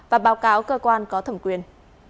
và báo cáo cơ quan có thẩm quyền